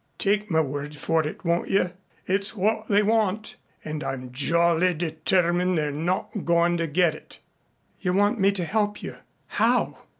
Take my word for it, won't you? It's what they want. And I'm jolly determined they're not goin' to get it." "You want me to help you? How?"